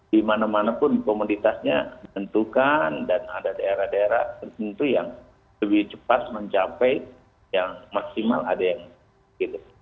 di mana mana pun komoditasnya tentukan dan ada daerah daerah tentu yang lebih cepat mencapai yang maksimal ada yang gitu